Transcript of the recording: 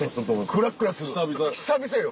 クラックラする久々よ。